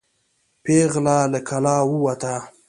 پیغله له کلا ووته.